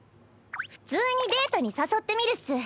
普通にデートに誘ってみるっス。